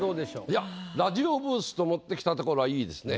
いや「ラジオブース」と持ってきたところは良いですね。